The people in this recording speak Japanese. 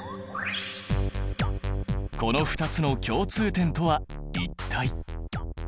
この２つの共通点とは一体？